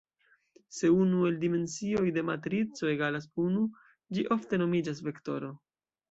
Se unu el dimensioj de matrico egalas unu, ĝi ofte nomiĝas vektoro.